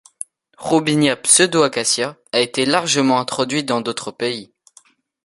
Robinia pseudoacacia a été largement introduit dans d'autres pays.